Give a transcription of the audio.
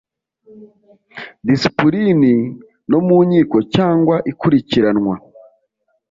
disipulini no mu nkiko cyangwa ikurikiranwa